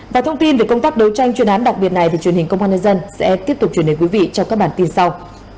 và thông tin về công tác đấu tranh chuyên án đặc biệt này thì truyền hình công an nhân dân sẽ tiếp tục truyền đến quý vị trong các bản tin sau